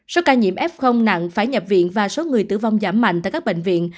số ca nhiễm f nặng phải nhập viện và số người tử vong giảm mạnh tại các bệnh viện